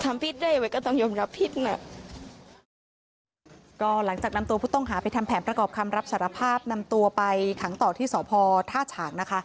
ไว้ก็ต้องยอมรับผิดน่ะก็หลังจากนำตัวผู้ต้องหาไปทำแผนประกอบคำรับสารภาพนำตัวไปขังต่อที่สพท่าฉางนะคะ